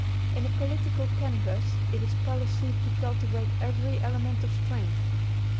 "In a political canvass it is policy to cultivate every element of strength.